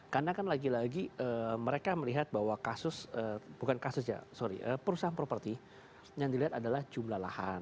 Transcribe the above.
karena kan lagi lagi mereka melihat bahwa kasus bukan kasus ya sorry perusahaan properti yang dilihat adalah jumlah lahan